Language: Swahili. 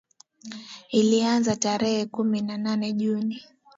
ilianza kazi tarehe kumi na nne juni